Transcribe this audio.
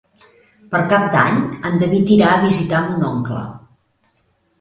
Per Cap d'Any en David irà a visitar mon oncle.